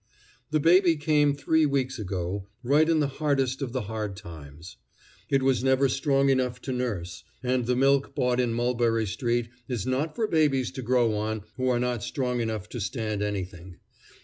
The baby came three weeks ago, right in the hardest of the hard times. It was never strong enough to nurse, and the milk bought in Mulberry street is not for babies to grow on who are not strong enough to stand anything.